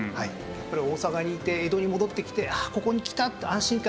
やっぱり大坂にいて江戸に戻ってきてああここに来たって安心感。